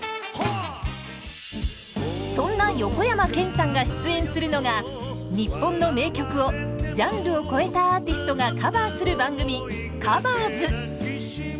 そんな横山剣さんが出演するのが日本の名曲をジャンルを超えたアーティストがカバーする番組「ｔｈｅＣｏｖｅｒｓ」。